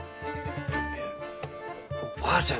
いやおばあちゃん